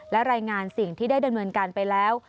และรายงานสิ่งที่ได้ดำเนินการไปแล้ว